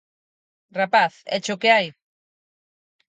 Rapaz, éche o que hai